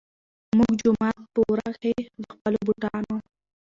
مونږ جومات پۀ ورۀ کښې د خپلو بوټانو